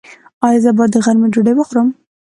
ایا زه باید د غرمې ډوډۍ وخورم؟